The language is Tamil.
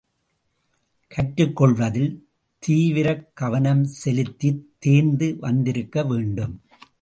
கற்றுக்கொள்வதில் தீவிரக் கவனம் செலுத்தித் தேர்ந்து வந்திருக்க வேண்டும்.